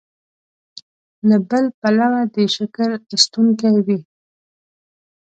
له بل پلوه دې شکر ایستونکی وي.